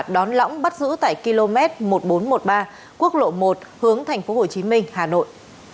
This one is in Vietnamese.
đón lõng bắt giữ tại km một nghìn bốn trăm một mươi ba quốc lộ một hướng tp hcm hà nội